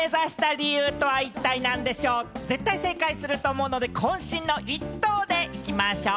絶対、正解すると思うので、こん身の一答でお願いします。